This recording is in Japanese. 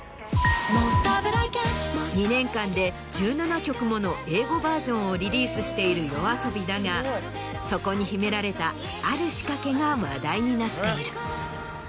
２年間で１７曲もの英語バージョンをリリースしているＹＯＡＳＯＢＩだがそこに秘められたある仕掛けが話題になっている。